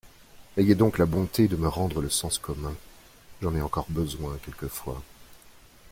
Ayez donc la bonté de me rendre le sens commun : j'en ai encore besoin quelquefois.